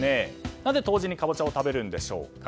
なぜ冬至にカボチャを食べるのでしょうか。